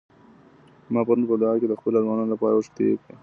ما پرون په دعا کي د خپلو ارمانونو لپاره اوښکې تویې کړې.